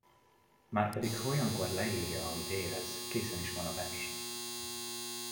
Márpedig ha olyankor leírja, amit érez, készen is van a vers.